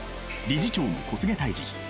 理事長の小菅泰治。